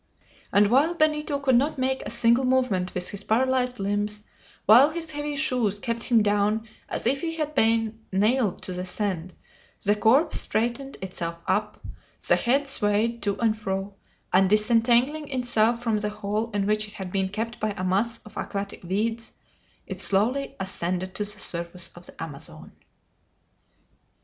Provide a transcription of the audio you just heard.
And while Benito could not make a single movement with his paralyzed limbs, while his heavy shoes kept him down as if he had been nailed to the sand, the corpse straightened itself up, the head swayed to and fro, and disentangling itself from the hole in which it had been kept by a mass of aquatic weeds, it slowly ascended to the surface of the Amazon.